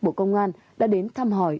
bộ công an đã đến thăm hỏi